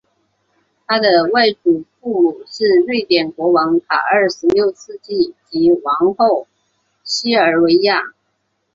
他的外祖父母是瑞典国王卡尔十六世及王后西尔维娅。